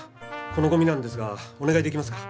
このゴミなんですがお願い出来ますか？